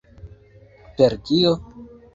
Per kio?